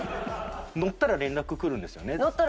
載ったら連絡くるんですよ。